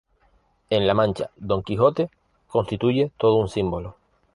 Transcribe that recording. En La Mancha, Don Quijote constituye todo un símbolo.